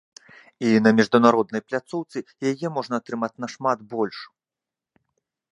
І на міжнароднай пляцоўцы яе можна атрымаць нашмат больш.